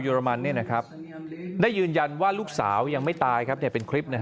อรมันได้ยืนยันว่าลูกสาวยังไม่ตายครับเป็นคลิป